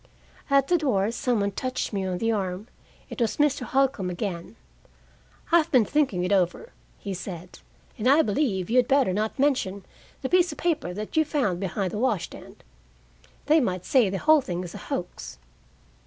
At the door some one touched me on the arm. It was Mr. Holcombe again. "I have been thinking it over," he said, "and I believe you'd better not mention the piece of paper that you found behind the wash stand. They might say the whole thing is a hoax."